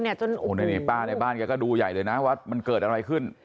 ในบ้านเขาก็ดูใหญ่เลยนะว่ามันเกิดอะไรขึ้น